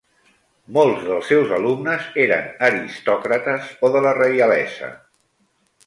Molts dels seus alumnes eren aristòcrates o de la reialesa.